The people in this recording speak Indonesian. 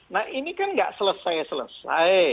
nah ini kan gak selesai selesai